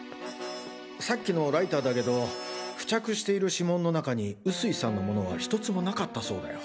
さっきのライターだけど付着している指紋の中に臼井さんのものは１つも無かったそうだよ。